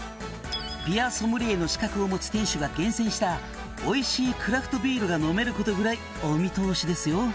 「ビアソムリエの資格を持つ店主が厳選したおいしいクラフトビールが飲めることぐらいお見通しですよ」